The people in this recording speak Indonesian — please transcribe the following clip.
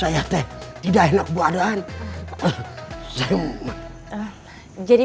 ini pilihan yang bagus ya